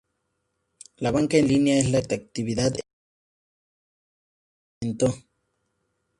La banca en línea es la actividad en Internet de más rápido crecimiento.